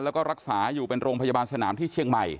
แล้วก็รักษาอยู่เป็นโรงพยาบาลสนามที่เชียงใหม่